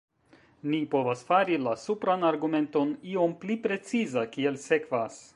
Ni povas fari la supran argumenton iom pli preciza kiel sekvas.